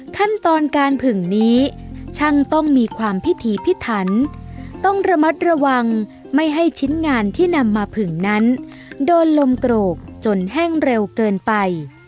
ขั้นตอนการผึ่งนี้ช่างต้องมีความพิถีพิถันต้องระมัดระวังไม่ให้ชิ้นงานที่นำมาผึ่งนั้นโดนลมโกรกจนแห้งเร็วเกินไป